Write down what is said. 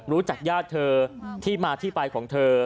ญาติเธอที่มาที่ไปของเธอ